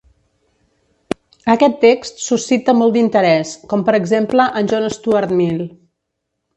Aquest text suscita molt d'interès, com per exemple en John Stuart Mill.